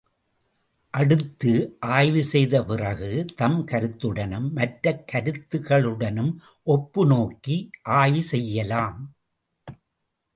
அடுத்து, ஆய்வு செய்த பிறகு தம் கருத்துடனும் மற்ற கருத்துக்களுடனும் ஒப்பு நோக்கி ஆய்வு செய்யலாம்.